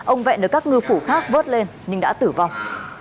ông vẹn được các ngư phủ khác vớt lên nhưng đã tử vong